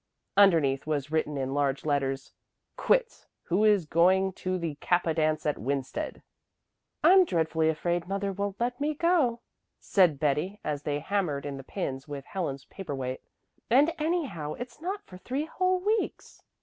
Underneath was written in large letters, "Quits. Who is going to the Kappa Phi dance at Winsted?" "I'm dreadfully afraid mother won't let me go though," said Betty as they hammered in the pins with Helen's paper weight. "And anyhow it's not for three whole weeks."